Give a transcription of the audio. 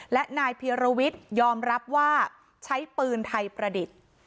และนายเพียรวิทยอมรับว่าใช้ปืนไทยประดิษฐ์